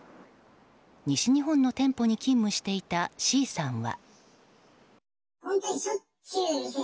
西日本の店舗に勤務していたＣさんは。